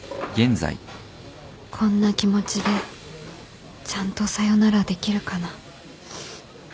こんな気持ちでちゃんとさよならできるかな